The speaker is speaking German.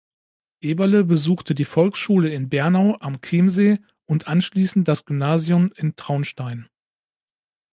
Eberle besuchte die Volksschule in Bernau am Chiemsee und anschließend das Gymnasium in Traunstein.